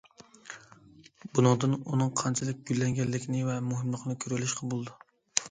بۇنىڭدىن ئۇنىڭ قانچىلىك گۈللەنگەنلىكىنى ۋە مۇھىملىقىنى كۆرۈۋېلىشقا بولىدۇ.